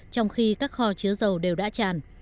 trong khi các kho chứa dầu đều đã tràn